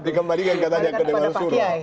dikembali kan katanya ke depan surah